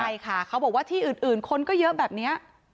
ใช่ค่ะเขาบอกว่าที่อื่นคนก็เยอะแบบนี้